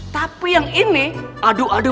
tapi yang ini aduh aduh